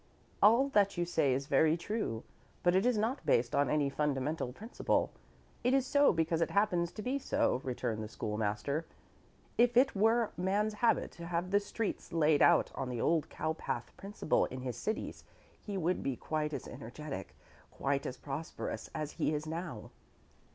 "All that you say is very true, but it is not based on any fundamental principle. It is so because it happens to be so," returned the School master. "If it were man's habit to have the streets laid out on the old cowpath principle in his cities he would be quite as energetic, quite as prosperous, as he is now."